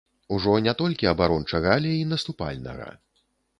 Ужо не толькі абарончага, але і наступальнага.